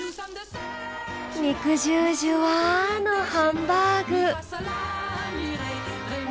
肉汁ジュワのハンバーグ。